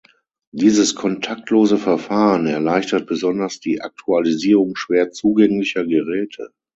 Dieses kontaktlose Verfahren erleichtert besonders die Aktualisierung schwer zugänglicher Geräte.